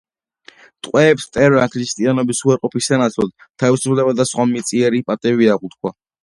ტყვეებს მტერმა ქრისტიანობის უარყოფის სანაცვლოდ თავისუფლება და სხვა მიწიერი პატივი აღუთქვა.